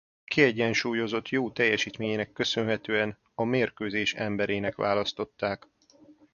Kiegyensúlyozott jó teljesítményének köszönhetően a mérkőzés emberének választották.